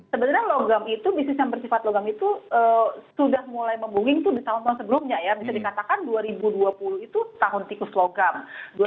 sebenarnya logam itu bisnis yang bersifat logam itu sudah mulai membuing tuh di tahun tahun sebelumnya ya